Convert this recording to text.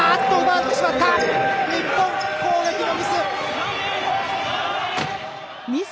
日本、攻撃のミス！